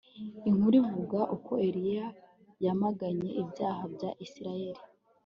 Inkuru ivuga uko Eliya yamaganye ibyaha bya Isirayeli